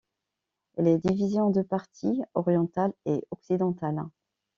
Elle est divisée en deux parties, orientale et occidentale.